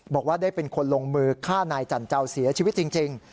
บอกว่าได้เป็นคนลงมือฆ่านายจันเจ้าเสียชีวิตจริง